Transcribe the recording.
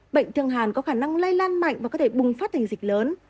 bệnh thương hẳn có khả năng lây lan mạnh và có thể bùng phát thành dịch lớn